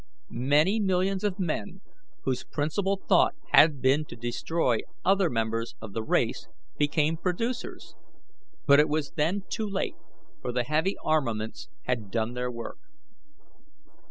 Many millions of men whose principal thought had been to destroy other members of the race became producers, but it was then too late, for the heavy armaments had done their work.